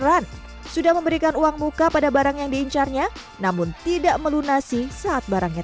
run sudah memberikan uang muka pada barang yang diincarnya namun tidak melunasi saat barangnya